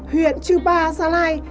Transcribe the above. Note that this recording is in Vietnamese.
huyện chupa salai